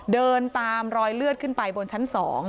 เดินตามรอยเลือดขึ้นไปบนชั้น๒